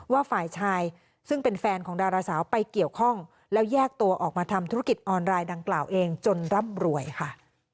ว่าฝ่ายชายซึ่งเป็นแฟนของดาราสาวไปเกี่ยวข้องแล้วแยกตัวออกมาทำธุรกิจออนไลน์ดังกล่าวเองจนร่ำรวยค่ะ